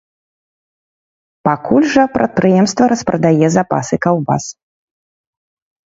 Пакуль жа прадпрыемства распрадае запасы каўбас.